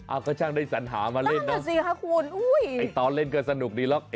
อ้าวก็ช่างได้สัญหามาเล่นเนอะอุ้ยตอนเล่นก็สนุกดีหรอก